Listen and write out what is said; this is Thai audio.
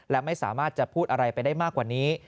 และไม่สามารถจะพูดอะไรไปได้มากกว่านี้